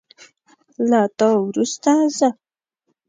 له تا وروسته زه